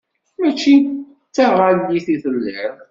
Mačči d taɣallit i telliḍ?